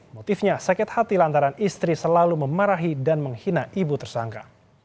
motifnya sakit hati lantaran istri selalu memarahi dan menghina ibu tersangka